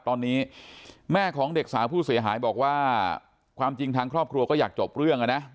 ตอนนี้แม่ของเด็กสาวผู้เสียหายบอกว่าความจริงทางครอบครัวก็อยากจบเรื่องนะ